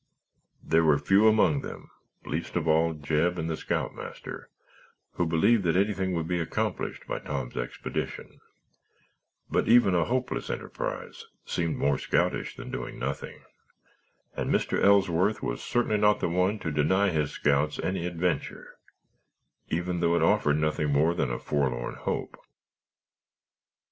There were few among them (least of all Jeb and the scoutmaster) who believed that anything would be accomplished by Tom's expedition but even a hopeless enterprise seemed more scoutish than doing nothing and Mr. Ellsworth was certainly not the one to deny his scouts any adventure even though it offered nothing more than a forlorn hope.